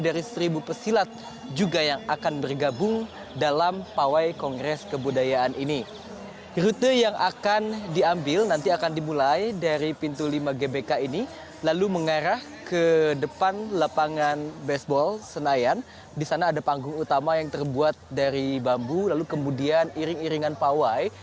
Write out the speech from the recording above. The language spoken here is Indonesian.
dika selamat pagi